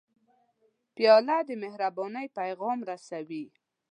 پیاله د مهربانۍ پیغام رسوي.